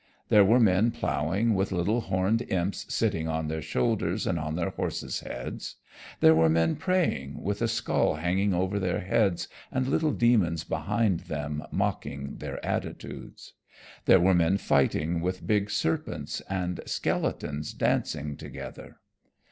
There were men plowing with little horned imps sitting on their shoulders and on their horses' heads. There were men praying with a skull hanging over their heads and little demons behind them mocking their attitudes. There were men fighting with big serpents, and skeletons dancing together.